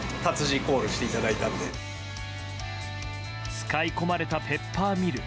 使い込まれたペッパーミル。